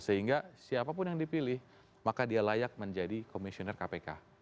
sehingga siapapun yang dipilih maka dia layak menjadi komisioner kpk